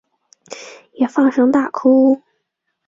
也放声大哭